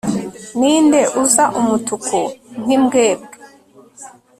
ninde uza umutuku nkimbwebwe